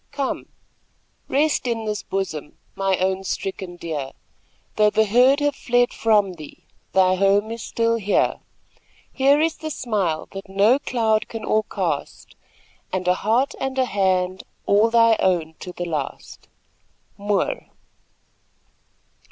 Come, rest in this bosom, my own stricken deer, Though the herd have fled from thee, thy home is still here: Here is the smile that no cloud can o'ercast, And a heart and a hand all thy own to the last. Moore.